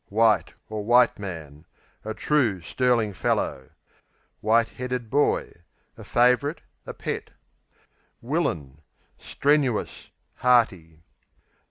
White (white man) A true, sterling fellow. White headed boy A favourite; a pet. Willin' Strenuous; hearty.